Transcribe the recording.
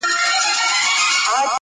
مرگ دی که ژوند دی~